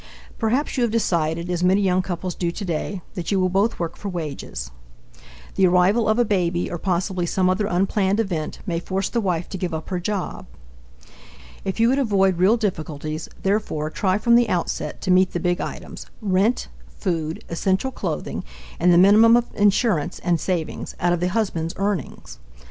Perhaps you have decided, as many young couples do today, that you will both work for wages. The arrival of a baby or possibly some other unplanned event may force the wife to give up her job. If you would avoid real difficulties, therefore, try from the outset to meet the big items rent, food, essential clothing, and the minimum of insurance and savings out of the husband's earnings.